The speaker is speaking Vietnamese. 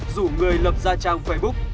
rủ người lập ra trang facebook